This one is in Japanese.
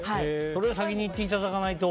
それを先に言っていただかないと。